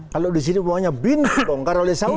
kalau di sini pokoknya bin bongkar oleh saudi